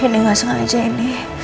ini ga sengaja ini